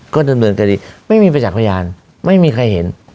ก็ดำเนินคดีไม่มีประจักษ์พยานไม่มีใครเห็น